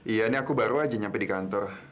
iya ini aku baru aja nyampe di kantor